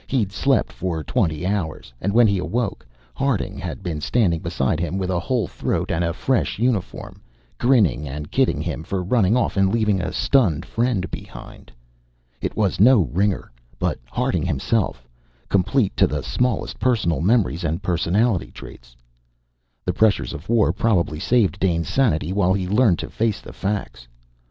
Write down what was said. He'd slept for twenty hours. And when he awoke, Harding had been standing beside him, with a whole throat and a fresh uniform, grinning and kidding him for running off and leaving a stunned friend behind. It was no ringer, but Harding himself, complete to the smallest personal memories and personality traits. The pressures of war probably saved Dane's sanity while he learned to face the facts.